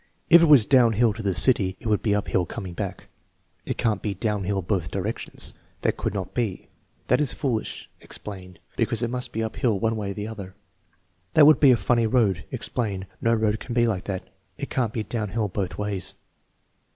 "If it was downhill to the city it would be uphill coming back." "It can't be downhill both directions." "That could not be." "That is foolish (Explain.) Because it must be uphill one way or the other." "That would be a funny road. (Explain.) No road can be like that. It can't be downhill both ways."